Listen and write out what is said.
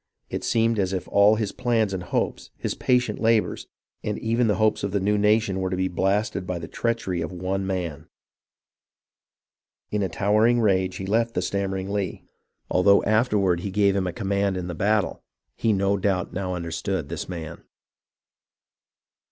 It seemed as if all his plans and hopes, his patient labours, and even the hopes of the new nation were to be blasted by the treachery of one man. In a towering rage he left the stammering Lee, and though 242 HISTORY OF THE AMERICAN REVOLUTION afterward he gave him a command in the battle, he no doubt now understood his man.